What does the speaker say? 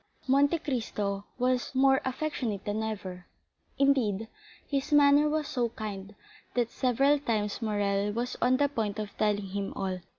Monte Cristo was more affectionate than ever,—indeed, his manner was so kind that several times Morrel was on the point of telling him all.